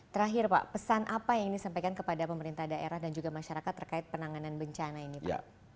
terakhir pak pesan apa yang ingin disampaikan kepada pemerintah daerah dan juga masyarakat terkait penanganan bencana ini pak